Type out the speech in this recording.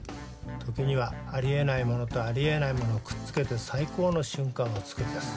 時にはあり得ないものとあり得ないものをくっつけて最高の瞬間を作り出す。